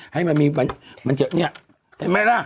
ให้มันมีมันเยอะเนี่ยเห็นไหมล่ะ